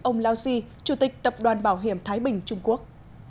ông lao xi chủ tịch tập đoàn bảo hiểm thái bình trung quốc